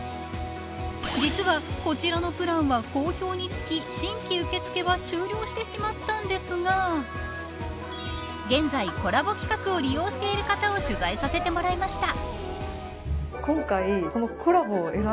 実はこちらのプランは好評につき、新規受け付けは終了してしまったんですが現在コラボ企画を利用している方を取材させてもらいました。